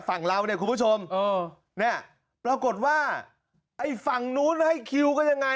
ฝั่งเราเนี่ยคุณผู้ชมเออเนี่ยปรากฏว่าไอ้ฝั่งนู้นแล้วให้คิวก็ยังไง